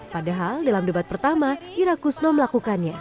padahal dalam debat pertama ira kusno melakukannya